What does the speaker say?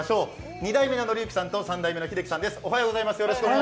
２代目の憲幸さんと三代目の秀紀さんです。